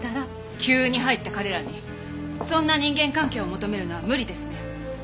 急に入った彼らにそんな人間関係を求めるのは無理ですね。